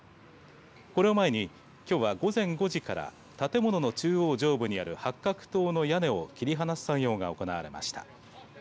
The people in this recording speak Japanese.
これを前にきょうは午前５時から建物の中央上部にある八角塔の屋根を切り離す作業が行われました。